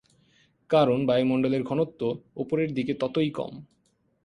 কারণ বায়ুমণ্ডলের ঘনত্ব ওপরের দিকে ততই কম।